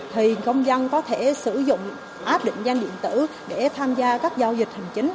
thì công dân có thể sử dụng app định danh điện tử để tham gia các giao dịch hành chính